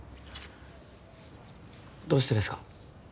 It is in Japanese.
どうしてですか？